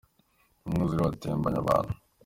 Umwuzure watembanye abantu.